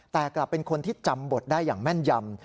แต่กลับเป็นคนที่จำบทได้อย่างแม่นยำ